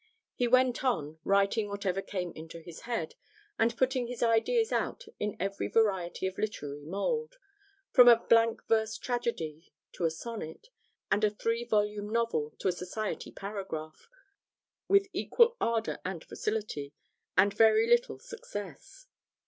He went on, writing whatever came into his head, and putting his ideas out in every variety of literary mould from a blank verse tragedy to a sonnet, and a three volume novel to a society paragraph with equal ardour and facility, and very little success.